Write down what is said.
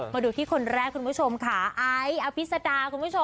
มาดูที่คนแรกคุณผู้ชมค่ะอ้ายอัพิษดาค่ะ